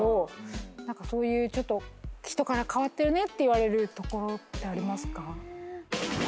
何かそういうちょっと人から「変わってるね」って言われるところってありますか？